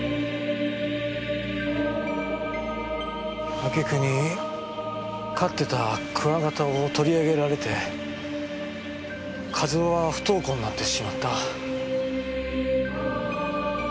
挙句に飼ってたクワガタを取り上げられて和夫は不登校になってしまった。